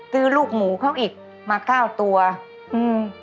ลูกหมูเขาอีกมาเก้าตัวอืม